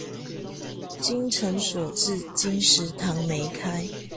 精誠所至、金石堂沒開